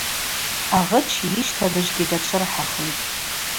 Агъыч йыщтабыжьгьи дачвырхӏахитӏ.